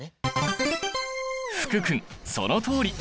福君そのとおり！